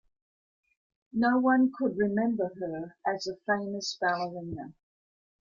No one could remember her as a famous ballerina.